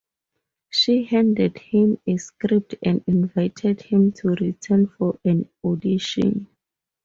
She handed him a script and invited him to return for an audition.